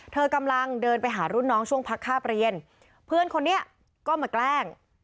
เธอกำลังเดินไปหารุ่นน้องช่วงพักคาบเรียนเพื่อนคนนี้ก็มาแกล้ง